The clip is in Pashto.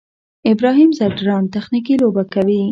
ابراهیم ځدراڼ تخنیکي لوبه کوي.